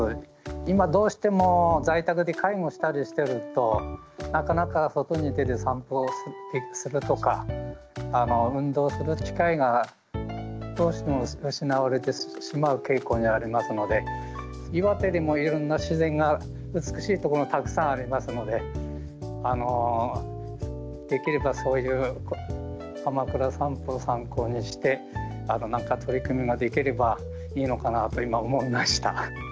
今どうしても在宅で介護したりしてるとなかなか外に出て散歩するとか運動する機会がどうしても失われてしまう傾向にありますので岩手にもいろんな自然が美しいところがたくさんありますのでできればそういうかまくら散歩を参考にして何か取り組みができればいいのかなと今思いました。